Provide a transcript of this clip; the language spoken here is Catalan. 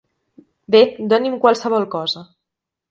Bé, doni'm qualsevol cosa.